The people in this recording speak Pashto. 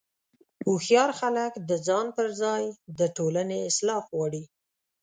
هوښیار خلک د ځان پر ځای د ټولنې اصلاح غواړي.